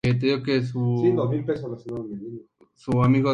Sin embargo, la misión fue finalmente abandonada.